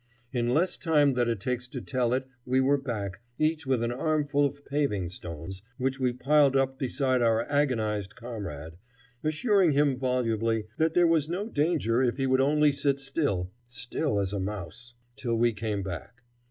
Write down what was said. In less time than it takes to tell it we were back, each with an armful of paving stones, which we piled up beside our agonized comrade, assuring him volubly that there was no danger if he would only sit still, still as a mouse, till we came back.